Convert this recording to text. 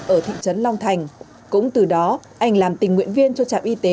ở thị trấn long thành cũng từ đó anh làm tình nguyện viên cho trạm y tế